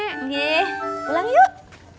eeh pulang yuk